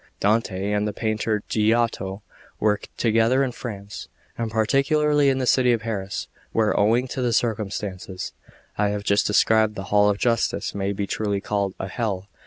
Dante and the painter Giotto were together in France, and particularly in the city of Paris, where, owing to the circumstances I have just described, the hall of justice may be truly called a hell.